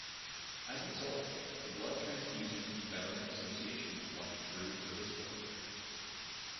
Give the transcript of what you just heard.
As a result, the Blood Transfusion Betterment Association applauded Drew for his work.